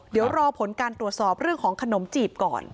เดี๋ยวรอผลการตรวจสอบเรื่องของขนมจีบก่อน